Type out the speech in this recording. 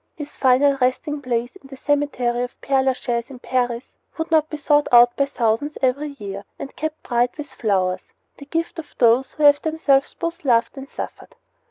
His final resting place, in the cemetery of Pere Lachaise, in Paris, would not be sought out by thousands every year and kept bright with flowers, the gift of those who have themselves both loved and suffered.